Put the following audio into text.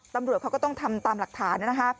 ตำรวจเขาก็ต้องทำตามหลักฐานนะคะ